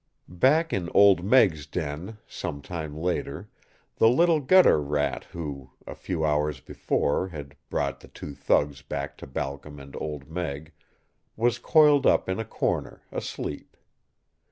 Back in Old Meg's den some time later the little gutter rat who, a few hours before, had brought the two thugs back to Balcom and Old Meg was coiled up in a corner, asleep.